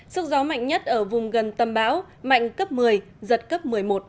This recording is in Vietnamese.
sức gió mạnh nhất ở vùng gần tâm bão mạnh cấp một mươi giật cấp một mươi một một mươi